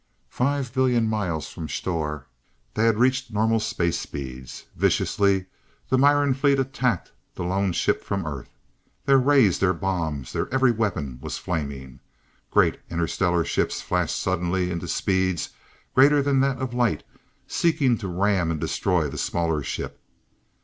Five billion miles from Sthor, they had reached normal space speeds. Viciously the Miran fleet attacked the lone ship from Earth. Their rays, their bombs, their every weapon was flaming. Great interstellar ships flashed suddenly into speeds greater than that of light, seeking to ram and destroy the smaller ship.